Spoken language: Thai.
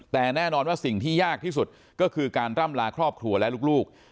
แต่แน่นอนว่าสิ่งที่ยากที่สุดก็คือการร่ำลาครอบครัวและลูก